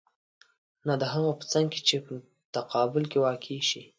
نه د هغه په څنګ کې چې په تقابل کې واقع شي.